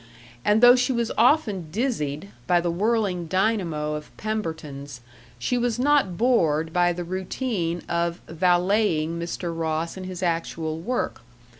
And though she was often dizzied by the whirling dynamo of Pemberton's, she was not bored by the routine of valeting Mr. Ross in his actual work....